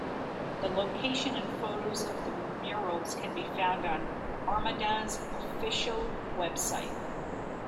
The location and photos of murals can be found on Armada's official website.